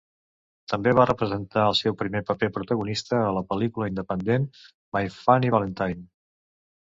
També va representar el seu primer paper protagonista a la pel·lícula independent "My Funny Valentine".